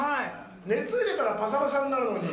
熱入れたらパサパサになるのに。